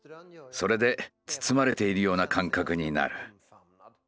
それで包まれているような感覚になる。